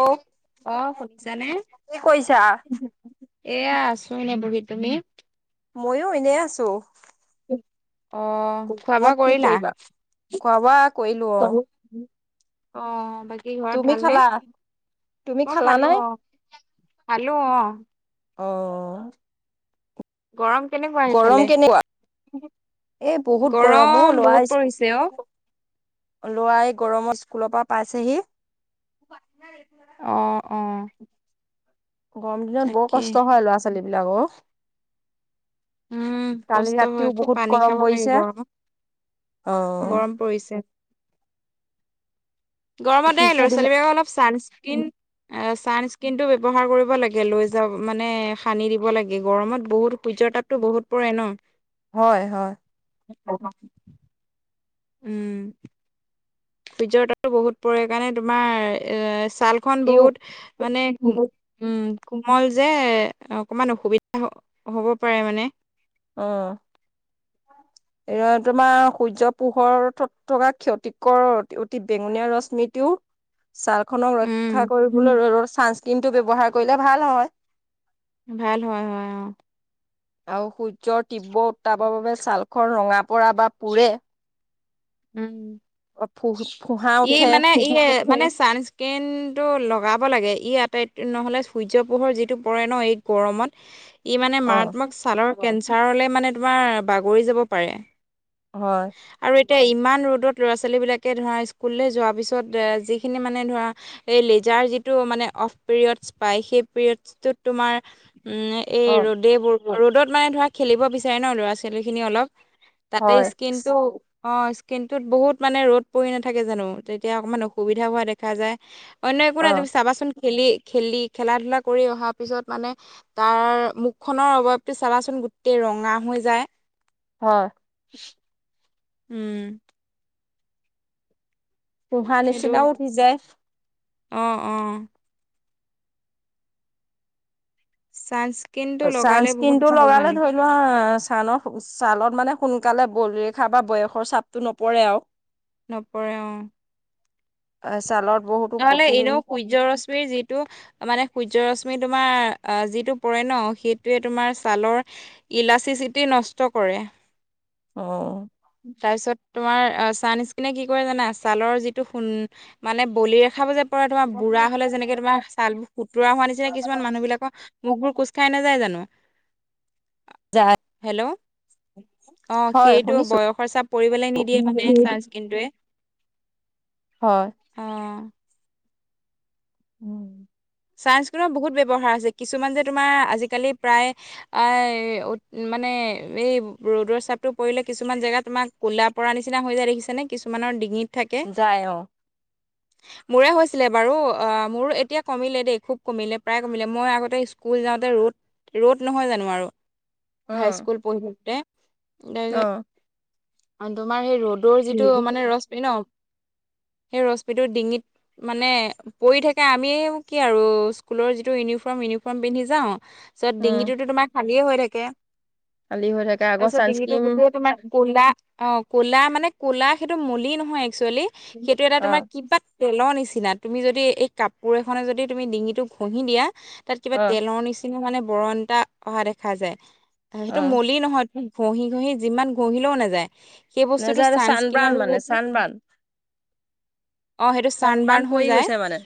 অ অহ শুনিছানে কি কৰিছা এয়া আছ ক এনেই বহি পিনি মইয়ো এনে আছো অহ খোৱা বোৱা গৰমত কি কৰিলা কৰিবা খোৱা বোৱা কৰিলো অ অহ বাকী ঘৰত তুমি ভালনে খালা তুমি মই খালা খালো নাই অহ খালো অহ অঁহ গৰম কেনেকুৱা সেইফালে কেনেকুৱা এই বহুত গৰমো গৰম ল'ৰা বহুত পৰিছে অহ লৰাই গৰমত স্কুলৰ পৰা পাইছেহি অহ অ গৰম দিনত বৰ তাকে কষ্ট হয় ল'ৰা ছোৱালী বিলাকৰ উম কালি কষ্ট ৰাতিও হয় খুব বহুত পানী গৰম খাব পৰিছে লাগিব আৰু অ গৰম পৰিছে গৰমতে শিশু ল'ৰা ছোৱালী বিলাক বিলাকৰ অলপ চানস্কন ছানস্ক্ৰীণটো ব্যৱহাৰ কৰিব লাগে লৈ যা মানে সানি দিব লাগে গৰমত বহুত সূৰ্যৰ তাপতটো বহুত পৰে ন হয় হয় উম সূৰ্য তাপটো বহুত পৰে সেইকাৰণে তোমাৰ এ ছাল খ ইউ বহুত মানে উম কোমল যে অকমান অসুবিধা হ'ব পাৰে মানে অহ [inaudible] এ তোমাৰ সূৰ্য পোহৰত থকা ক্ষতিকৰ অতি বেঙুনীয়া ৰশ্মিটো [inaudible] ছাল খক উম ৰক্ষা কৰিবলৈ ৰ ৰ ছানস্ক্ৰীনটো ব্যৱহাৰ কৰিলে ভাল হয় ভাল হয় হয় অ আৰু সূৰ্যৰ তীব্ৰ উত্তাপৰ বাবে ছালখৰ ৰঙা পৰা বা পোৰে উম ফু ফুহা এই উঠে মানে মানে ছানস্ক্ৰীণ টো লগাব লাগে ই আটাইত নহ'লে সূৰ্য পোহৰ যিটো পৰে ন এই গৰমত ই মানে অ মাৰাত্মক ছালৰ কেঞ্চাৰলে মানে তোমাৰ বাগৰি যাব পাৰে হয় এতি ইমান ৰ'ত ল'ৰা ছোৱালী বিলাকে ধৰা স্কুললে যোৱাৰ পিছত যিখিনি মানে ধৰা এই লেজাৰ যিটো মানে অফ পিৰিয়ডছ পায় সেই পিৰিয়ডছটোত তোমাৰ উম এই অ ৰ'দবোৰ ৰ'দত মানে ধৰক খেলিব বিচাৰে ন ল'ৰা ছোৱালীখিনি অলপ। তাতে হয় স্কিনটো অ স্কিনতটোত বহুত মানে ৰ'দ পৰি না থাকে জানো তেতিয়া অকণমান অসুবিধা হোৱা দেখা যায়, অন্য একো অ নাই চাবাচোন খেলি খেলি খেলা ধলা কৰি অহা পিছত মানে তাৰ মুখ খনৰ অভাৱটো চাবাচোন গোটেই ৰঙা হৈ যায়। হয়। উম। ফোঁহা নিচিনা উঠি যায়। অঁ অঁ। ছান ছানস্ক্ৰিনটো লগালে ধৰি লোৱা ছালৰ ছালত মানে সোনকালে বলৰেখা বা বয়সৰ চাপটো নপৰে আৰু নপৰে অঁ। অ ছালত বহুতো নহলে প্ৰটিন এনেও সূৰ্য ৰশ্মিৰ যিটো মানে সূৰ্য ৰশ্মি তুমি তোমাৰ যিটো পৰে ন সেইটোৱে তোমাৰ ছালৰ ইলাচিচিটি নষ্ট ক ৰে। অ তাৰপিছত তোমাৰ ছানস্ক্ৰীনে কি কৰে জানা ছালৰ যিটো মানে বলিৰেখাবোৰ যে পৰে তোমাৰ বুঢ়া হলে যেনেকে তোমাৰ ছালবোৰ সুতোৰা হোৱা নিচিনা কিছুমান মানুহ বিলাকৰ মুখবোৰ খোজ খাই নাযায় জানো, যায় হেল্ল'! অ হয় সেইটো শুনিছো বয়সৰ চাপ পৰিবলৈ নিদিয়ে মানে ছানস্ক্ৰীনটোৱে। হয়। অ উম। ছানস্ক্ৰীনৰ বহুত ব্যৱহাৰ আছে, কিছুমান যে তোমাৰ আজিকালি প্ৰায় এ মানে এই ৰ'দৰ চাপটো পৰিলে কিছুমান জেগা তোমাৰ ক'লা পৰা নিচিনা হৈ যায় দেখিছে নে কিছুমানৰ ডিঙিত? থাকে যায় অঁ। মোৰে হৈছিলে বাৰু অ মোৰ এতিয়া কমিলে দেই খুব কমিলে প্ৰায় কমিলে মই আগতে স্কুল যাওঁতে ৰ'দ ৰ'দ নহয় জানো আৰু। উম হাইস্কুল পঢ়োতে। অ তাৰপিছত তোমাৰ সেই ৰ'দৰ যিটো উম মানে ৰশ্মি ন। সেই ৰশ্মিটো ডিঙিত মানে পৰি থাকে আমি কি আৰু স্কুলৰ যিটো ইউনিফৰ্ম ইউনিফৰ্ম পিন্ধি যাওঁ, তাৰপিছত ডিঙিটোতো তোমাৰ খালীয়ে হৈ থাকে। খালী হৈ থাকে আগৰ তাৰপিছত ডিঙিটো চানস্কিম গোটেই তোমাৰ কোলা অ কলা মানে কলা সেইটো মলি নহয় একচুৱেলি, সেইটো এটা অ তোমাৰ কিবা তেলৰ নি চিনা তুমি যদি এই কাপোৰ এখনে যদি তুমি ডিঙিটো ঘঁহি দিয়া তাত কিবা অ তেলৰ নিচিনা মানে বৰণ এটা অহা দেখা যায়, অ সেইটো মলি নহয় ঘঁহি ঘঁহি যিমান ঘঁহিলেও নাযায়। সেই বস্তুটো নেযায় চানবান ছানস্ক্ৰীনৰ জ মানে চানবান অ সেইটো চান চানবান বাৰ্ণ হৈ পৰি যায়। গৈছে মানে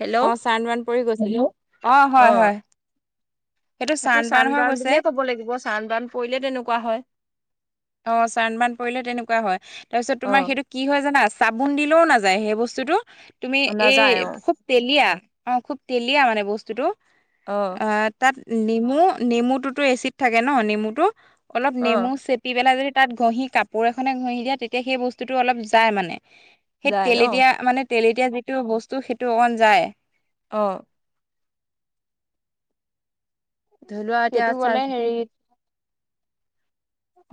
হেল্ল' অ চান বাৰ্ন পৰি গৈছিল। অ হয় হয়। সেইটো এইটো চানবাৰ্ণ চান হৈ বাৰ্ন গৈছে বুলিয়ে কব লাগিব চান বাৰ্ন পৰিলে তেনেকুৱা হয়। অ চান বাৰ্ন পৰিলে তেনেকুৱা হয়, তাৰপিছত অ তোমাৰ সেইটো কি হয় জানা চা বুন দিলেও নাযায় সেই বস্তুটো তুমি অ এই নাযায় অ খুব তেলীয়া, অ খুব তেলীয়া মানে বস্তুটো অ আহ তাত নেমু নেমুটোতো এচিড থাকে ন নেমুটো অলপ অ নেমু চে পি পেলাই যদি তাত ঘঁহি কাপোৰ এনে ঘঁহি দিয়া তেতিয়া সেই বস্তুটো অলপ যায় মানে। সেই যায় ন তেলেতীয়া মানে তেলেতীয়া যিটো বস্তু সেইটো অকন যায়। অঁ। ধলুৱা সেইটো এতিয়াতে গ'লে চান স্ক্ৰীন হেৰি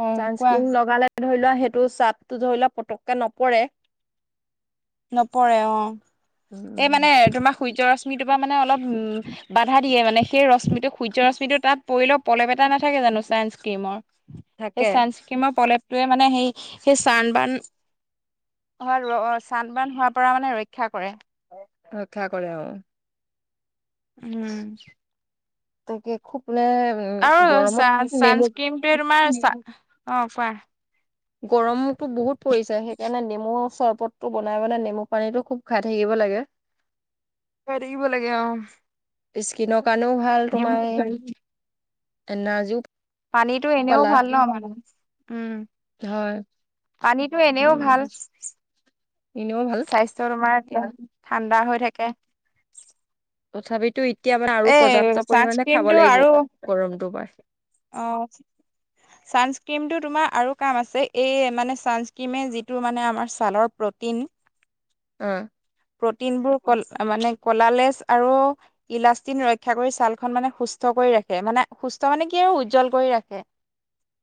অ কোৱা চানস্ক্ৰীন লগালে ধৰি লোৱা সেইটো চাপটো ধৰি লোৱা পতককে নপৰে নপৰে অ উম এই উম মানে তোমাক সূৰ্য ৰশ্মিটোৰ পৰা মানে অলপ বাধা দিয়ে মানে সেই ৰশ্মিটো সূৰ্য ৰশ্মিটো তাত পৰিলেও পলেপ এটা নাথাকে জানো চানস্ক্ৰীমৰ সেই থাকে চানস্ক্ৰীমৰ পলেপ তোয়ে মানে সেই সেই চান বান অ চাত বান হোৱাৰ পৰা মানে ৰক্ষা কৰে ৰক্ষা কৰে অ উম তাকে খুব মানে অ উম গৰমত নেমু চানস্ক্ৰীমটোৱে তোমাৰ চা অ কোৱা গৰমতো বহুত পৰিছে সেইকাৰণে নেমু চৰবতটো বনাই বানাই নেমু পানীটো খুব খাই থাকিব লাগে খা ই থাকিব লাগে অ স্কিনৰ কাৰণেও ভাল তোমাৰ এনাৰ্জিও পানীটো এনেও পালা ভাল ন মানে উম হয় পানীতটো এনেও ভাল উম এনেও ভাল। স্বাস্থ্য তোমাৰ কে ঠাণ্ডা হৈ থাকে তথাপিতো এতিয়া মানে আৰু পৰ্যাপ্ত এ পৰিমাণে খাব চানস্ক্ৰীনটো লাগিব আৰু গৰমটো পাই অ চানচ ক্ৰীমটো তোমাৰ আৰু কাম আছে এই মানে ছানস্ক্ৰীমে যিটো মানে আমাৰ ছালৰ প্ৰ'টিন অ প্ৰটিনবোৰ মানে কলালেচ আৰু ইলাষ্টিন ৰক্ষা কৰি ছালখন মানে সু সুস্থ কৰি ৰাখে মানে সুস্থ মানে কি আৰু উজ্জ্বল কৰি ৰাখে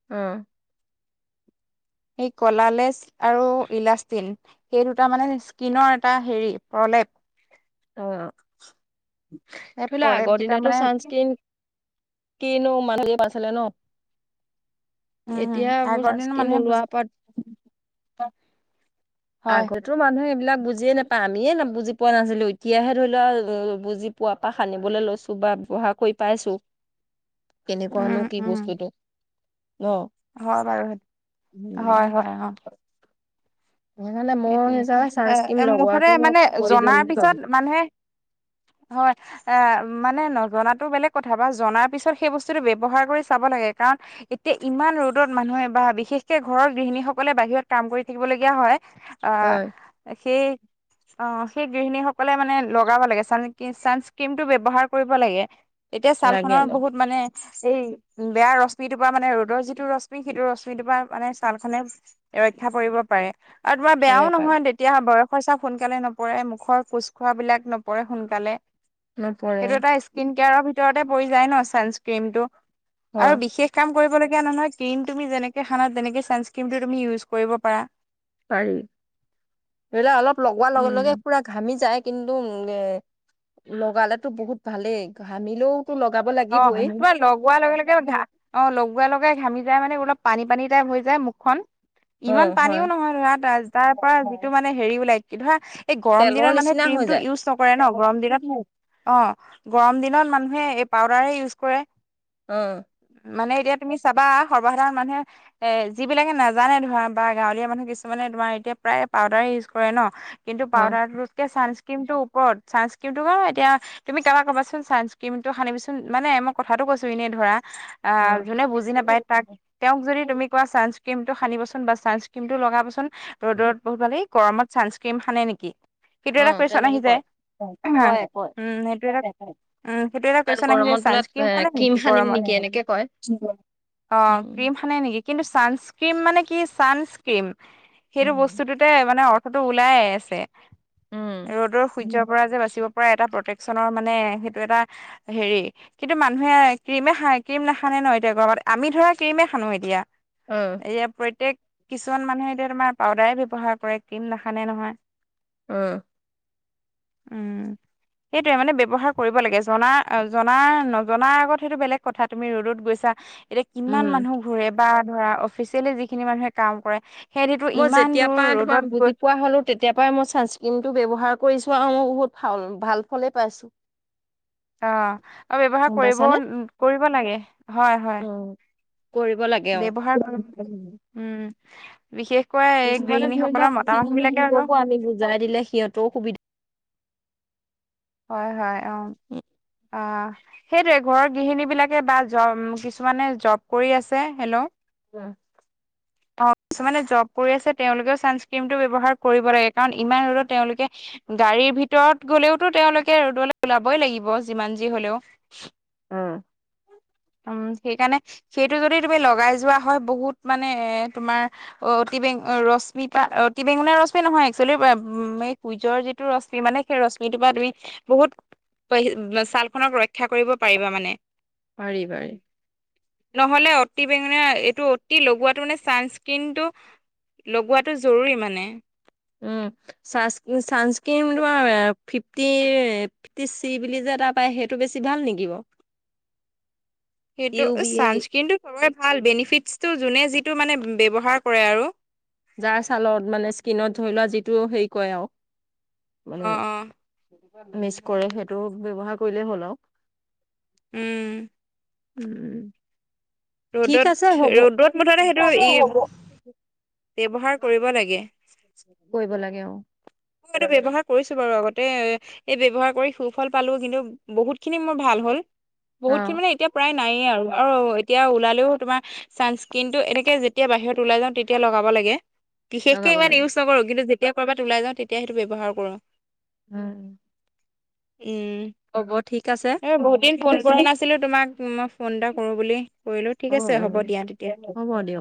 আহ এই কলালেচ আৰু ইলাষ্টিন সেই দুটা মানে স্কিনৰ এটা হেৰি প্ৰলেপ অ সেই ধৰি লোৱা প্ৰলেপ আগৰ কেইটা দিনতো মানে চানস্ক্ৰীন কিনো মানুহ হে পাইছিলে ন এতিয়া উম সক আগৰ দিনৰ চাস্ক্ৰীন মানুহে ওলোৱা বুজি পা নাপায়। হয় আগতো মানুহে এইবিলাক বুজিয়ে নাপায় আমিয়ে ন বুজি পোৱা নাছিলো তেতিয়াহে ধৰি লোৱা বুজি পোৱা পৰা সানিবলৈ লৈছো বা ব্যৱহাৰ কৰি পাইছো উম কেনেকুৱানো কি উম বস্তুটো ন হয় বাৰু সটো হয় হয় অ সেইকাৰণে মই সেইটোৱে সেইজাগা চানস্ক্ৰীম এ মুঠতে লগোৱাটো মই মানে প্ৰয়োজন জনাৰ বুলি পিছত ভাবো মানুহে হয় এ মানে নজনাতো বেলেগ কথা বা জনাৰ পিছত সেই বস্তুটো ব্যয়ৱহাৰ কৰি চাব লাগে কাৰণ এতিয়া ইমান ৰ'দত মানুহে বা বিশেষকে ঘৰৰ গৃহিনী সকলে বাহিৰত কাম কৰি থাকিব লগীয়া হয় অ হয় সেই অ সেই গৃহিণীসকলে মানে লগাব লাগে চ চানস্ক্ৰীন টো ব্যৱহাৰ কৰিব লাগে এতিয়া ছাল লাগে খনৰ অলপ বহুত মানে এই বেয়া ৰশ্মিটোৰ পৰা মানে ৰ'দৰ যিটো ৰশ্মি সেইটো ৰশ্মিটোৰ পৰা মানে ছাল খনে ৰক্ষা কৰি পাৰেআৰু তোমাৰ পাৰে বেয়াও পাৰে নহয় তেতিয়া বয়স মুখৰ চাপ সোনকালে নপৰে মুখৰ ফোজ খোৱা বিলাক নপৰে সোনকালে নপৰে সেইটো এটা স্কিন কেয়াৰৰ ভিতৰতে পৰি যায় ন চানস্ক্ৰীন টো আৰু হয় বিশেষ কাম কৰিবলগীয়া নহয় নহয় স্ক্ৰীন তুমি যেনেকে হানা তেনেকে চাস্ক্ৰীমটো তুমি ইউজ কৰিব পাৰা পাৰি এইবিলাক অলপ লগোৱাৰ লগে লগে পুৰা ঘামি যায় কিন্তু এ লগালেতো বহুত ভালেই ঘামিলেও অ তোমাৰ লগোৱাৰ লগে লগে ঘা অ লগোৱাৰ লগে ঘামি যা মানে অলপ পানী পানী টাইপ হৈ যায় মুখখন, অ ইমান হয় পানীও নহয় ধৰা তা তাৰ পৰা যিটো মানে হেৰি ওলাই কি ধৰা এই গৰম তেলৰ দিনত মানুহে নিচিনা হৈ ক্ৰীমটো যায় ইউজ নকৰে ন গৰম দিনত অ গৰম দিনত মানুহে এই পাউদাৰে ইউজ কৰে। উম। মানে এতিয়া তুমি চাবা সৰ্বসাধাৰণ মানুহে এ যিবিলাকে নাজানে ধৰা বা গাঁৱলীয়া মানুহে কিছুমানে তোমাৰ এতিয়া প্ৰায় পাউডাৰ ইউজ কৰে ন কিন্তু হয় পাউদাৰ টোতকে চানস কিন্ত ওপৰত চানস্ক্ৰীন টো বাৰু এতিয়া তুমি কাবাক কবাচোন চানস্ক্ৰীন সানিবি ছো মানে মই কথাটো কৈছো এনেই ধৰা অ আহ যোনে বুজি নাপায় তাক তেওঁক যদি তুমি কোৱা ছানস্কীম সানিবচোন বা ছানস্ক্ৰীম লগাবচোন ৰ'দত বহুত ভালি গৰমত ছানস্ক্ৰীম হানে নেকি সেইটো অ এটা কুৱেশ্যন আহি তেনেকে যায় কয় উ কয় কয় সেইটো এটা [unintelligible] ইমান গৰমত বোলে চান্ক্ৰীম এ হানে ক্ৰীম নেকি সানিম নেকি গৰমত এনেকে কয় অ উম ক্ৰীম হানে নেকি কিন্তু চানস্ক্ৰীম মানে কি চানস্ক্ৰীম সেইটো উম বস্তুটোতে মানে অ অৰ্থটো ওলাই আছে ৰ'দৰ উম সূৰ্যৰ পৰা যে বাচিব পৰা এটা প্ৰটেকশ্যচনৰ মানে সেইটো এটা হেৰি কিন্তু মানুহে ক্ৰীমে খ ক্ৰীম নাহানে ন এতিয়া গৰমত আমি ধৰা ক্ৰীমে হানো এতিয়া উম, এয়া প্ৰত্যয়েক কিছুমান মানুহে এতিয়া তোমাৰ পাউদাৰে ব্যৱহাৰ কৰে ক্ৰীম নাহানে নহয় আহ উম সেইটোয়ে মানে ব্যৱহাৰ কৰিব লাগে জনা জনা নজনাৰ আগত সেইটো বেলেগ কথা তুমি ৰ'দত গৈছা এতিয়া কিমান উম, মানুহ ঘূৰে বা ধৰা অফিচিয়েলি যিখিনি মানুহে কাম কৰে সেইটোতো মই ইমান যেতিয়া দূৰ তমা ৰ'দত গৈ বুজি পোৱা তেতিয়া পৰা মই চানস্ক্ৰীন টো ব্যৱহাৰ কৰিছো আৰু মই বহুত ভাল ভাল ফলে পাইছো অ অ ব্যৱহাৰ কৰিব পাইছানে? কৰিব লাগে হয় হয়। উম, কৰিব লাগে অ। ব্যৱহাৰ কৰিব উম। বিশেষকৈ এই কিছুমানে ধৰি লোৱা গৃহিনীসকলৰ বুজি মতামতবিলাকে আক। নোপোৱাকো আমি বুজাই দিলে সিহঁতৰো সুবিধা [unintelligible] হয় হয় অ উম, আহ। সেইটোয়ে ঘৰৰ গৃহিনীবিলাকে বা জ কিছুমানে জব কৰি আছে, হেল্ল'? উম। অ কিছুমানে জব কৰি আছে তেওঁলোকেও ছানচক্ৰিমটো ব্যৱহাৰ কৰিব লাগে কাৰণ ইমান ৰদত তেওঁলোকে গাড়ীৰ ভিতৰত গলেওতো তেওঁলোকে ৰ'দলৈ ওলাবই লাগিব যিমান যি হলেও। উম। অম। সেই কাৰণে সেইটো যদি তুমি লগাই যোৱা হয় বহুত মানে এ তোমাৰ অ অতি বে অ ৰশ্মিপা অতি বেঙুনিয়া ৰশ্মি নহয় একচুৱেলি বা মে কুইজৰ যিটো ৰশ্মি মানে সেই ৰশ্মিটোৰ পৰা দুই বহুত পা হি ছালখনক ৰক্ষা কৰিব পাৰিবা মানে। পাৰি পাৰি। নহলে অতি টোৱিং মানে এইটো অতি লগোৱাটো মানে ছানচক্ৰিনটো লগোৱাটো জৰুৰী মানে। উম ছানছ ছানছকিন তোমাৰ ফিফটি ফিফটি চি বুলি যে এটা পায় সেইটো বেছি ভাল নেকি বাৰু? সেইটো ইউ বি এ ছানজকিনটো চবৰে ভাল বেনিফিটছটো যোনে যিটো মানে ব্যৱহাৰ কৰে আৰু। যাৰ ছালত মানে স্কিনত ধৰি লোৱা যিটো হেৰি কয় আৰু অঁ অঁ। মিচ কৰে সেইটো ব্যৱহাৰ কৰিলেই হ'ল আৰু। উম! উম! ঠিক আছে ৰ'দত হ'ব। ৰ'দত মুঠতে সেইটো ই ব্যৱহাৰ কৰিব লাগে। কৰিব লাগে অ', ম এইটো ব্যৱহাৰ কৰিছোঁ বাৰু আগতে এ এই ব্যৱহাৰ কৰি সুফল পালোঁ কিন্তু বহুত খিনি মোৰ ভাল হল। বহুতখিনি অ', মানে এতিয়া প্ৰায় নায়ে আৰু আৰু এতিয়া ওলালেও তোমাৰ ছানস্কিনটো এনেকে যেতিয়া বাহিৰত ওলাই যাওঁ তেতিয়া লগাব লাগে। বিশেষকে লগাব ইমান লাগে। ইউজ নকৰোঁ কিন্তু যেতিয়া কৰবাত ওলাই যাওঁ তেতিয়া সেইটো ব্যৱহাৰ কৰোঁ। উম! উম! হ'ব ঠিক আছে। এই বহুত দিন ফোন কৰা নাছিলো তোমাক মই ফোন এটা কৰো বুলি। কৰিলো অ', ঠিক আছে হ'ব অ', দিয়া তেতিয়া। হ'ব দিয়ক।